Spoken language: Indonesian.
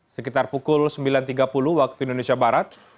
sekitar pukul sembilan tiga puluh waktu indonesia barat